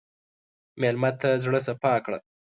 مېلمه ته د زړه صفا کړه.